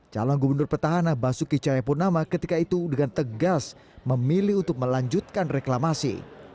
calon gubernur petahana basuki cahayapurnama ketika itu dengan tegas memilih untuk melanjutkan reklamasi